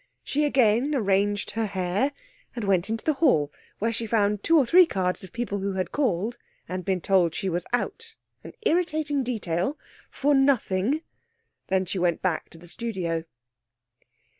She again arranged her hair and went into the hall, where she found two or three cards of people who had called, and been told she was out an irritating detail for nothing! Then she went back to the studio.